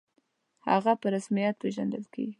«هغه» په رسمیت پېژندل کېږي.